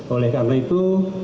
oleh karena itu